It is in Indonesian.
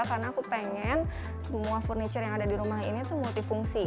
karena aku pengen semua furniture yang ada di rumah ini tuh multifungsi